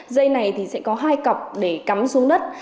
dây này thì sẽ có hai cọc để cắm xuống đất